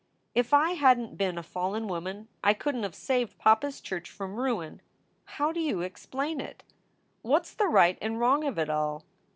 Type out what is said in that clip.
"If I hadn t been a fallen woman I couldn t have saved papa s church from ruin. How do you explain it? What s the right and wrong of it all?"